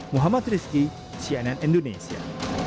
muhammad rizky cnn indonesia